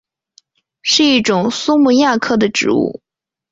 是一种苏木亚科的植物。